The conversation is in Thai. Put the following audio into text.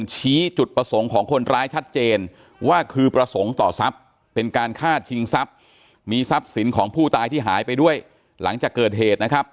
ชี้จุดประสงค์ของคนร้ายชัดเจนว่าคือประสงค์ต่อทรัพย์เป็นการฆ่าชิงทรัพย์มีทรัพย์สินของผู้ตายที่หายไปด้วยหลังจากเกิดเหตุนะครับ